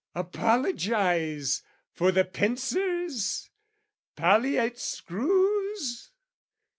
Apologise for the pincers, palliate screws?